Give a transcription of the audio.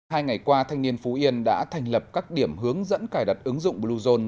hai ngày qua thanh niên phú yên đã thành lập các điểm hướng dẫn cài đặt ứng dụng bluezone